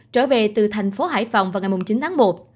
trở về từ thành phố hải phòng vào ngày chín tháng một